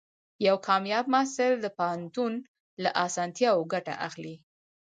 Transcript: یو کامیاب محصل د پوهنتون له اسانتیاوو ګټه اخلي.